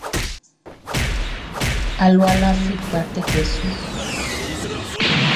Alua lafi kpa kɛtɛ su.